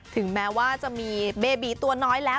ถึงแม้ว่าจะมีเบบีตัวน้อยแล้ว